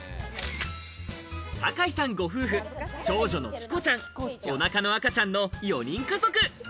酒井さんご夫婦、長女の木湖ちゃん、お腹の赤ちゃんの４人家族。